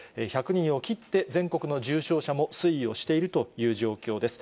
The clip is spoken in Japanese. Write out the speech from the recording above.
１００人を切って、全国の重症者も推移をしているという状況です。